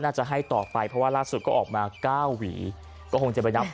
จะให้ต่อไปเพราะว่าล่าสุดก็ออกมา๙หวีก็คงจะไปนับ